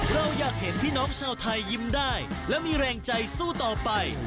เราอยากเห็นพี่น้องชาวไทยยิ้มได้และมีแรงใจสู้ต่อไป